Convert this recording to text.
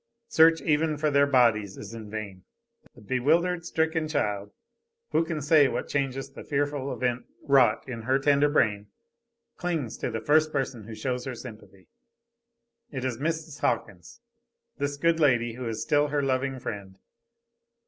Search even for their bodies is in vain. The bewildered, stricken child who can say what changes the fearful event wrought in her tender brain clings to the first person who shows her sympathy. It is Mrs. Hawkins, this good lady who is still her loving friend.